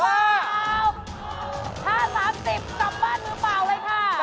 ถ้า๓๐กลับบ้านมือเปล่าเลยค่ะ